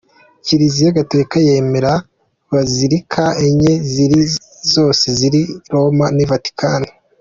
Kiliziya Gatolika yemera Bazilika enye nini zose ziri i Roma n’i Vatican.